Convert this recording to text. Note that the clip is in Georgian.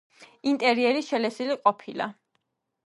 ინტერიერი შელესილი ყოფილა.